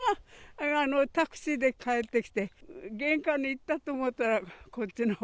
突然、タクシーで帰ってきて、玄関に行ったと思ったら、こっちのほう。